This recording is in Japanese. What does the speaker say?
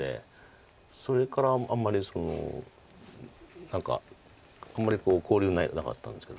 それからあんまり何かあんまり交流なかったんですけど。